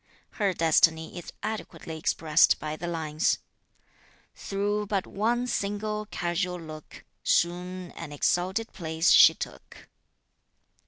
Her destiny is adequately expressed by the lines: Through but one single, casual look Soon an exalted place she took.